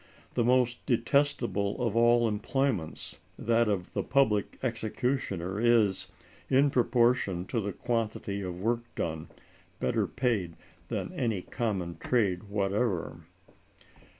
The most detestable of all employments, that of the public executioner, is, in proportion to the quantity of work done, better paid than any common trade whatever."